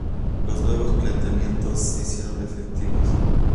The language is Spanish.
Los nuevos planteamientos se hicieron efectivos.